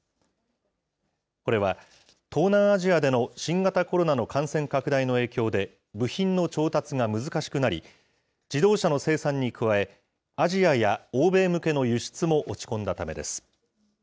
これは東南アジアでの新型コロナの感染拡大の影響で部品の調達が難しくなり、自動車の生産に加え、アジアや欧米向けの輸出も落ち込んだためです。